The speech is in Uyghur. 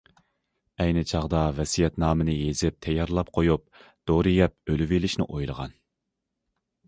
ئەينى چاغدا ۋەسىيەتنامىنى يېزىپ تەييارلاپ قويۇپ دورا يەپ ئۆلۈۋېلىشنى ئويلىغان.